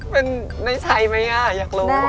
เป็นได้ใช้มั้ยอ่ะอยากรู้